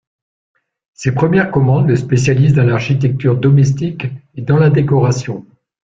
Ses premières commandes le spécialisent dans l'architecture domestique et dans la décoration.